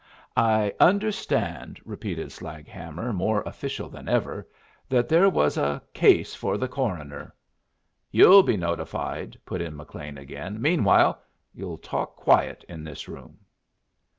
"I understand," repeated Slaghammer, more official than ever, "that there was a case for the coroner." "You'll be notified," put in McLean again. "Meanwhile you'll talk quiet in this room."